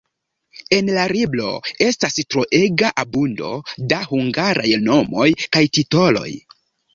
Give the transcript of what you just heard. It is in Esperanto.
En la libro estas troega abundo da hungaraj nomoj kaj titoloj.